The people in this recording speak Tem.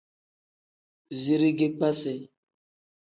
Zirigi kpasi.